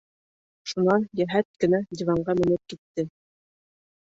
Шунан йәһәт кенә диванға менеп китте.